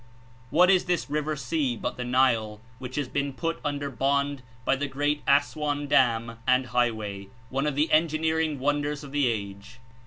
What is this river sea but the Nile, which has been put un der bond by the great Assuan Dam and highway, one of the engineering wonders of the age?